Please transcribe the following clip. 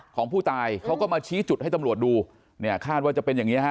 ของผู้ตายเขาก็มาชี้จุดให้ตำรวจดูเนี่ยคาดว่าจะเป็นอย่างนี้ฮะ